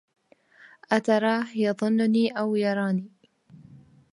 أتراه يظنني أو يراني